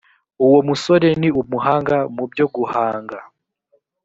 uwo musore ni umuhanga mu byo guhanga